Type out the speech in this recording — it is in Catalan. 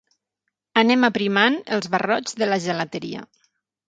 Anem aprimant els barrots de la gelateria.